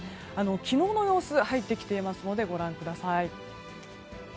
昨日の様子が入ってきているのでご覧ください。